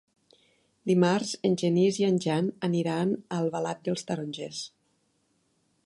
Dimarts en Genís i en Jan aniran a Albalat dels Tarongers.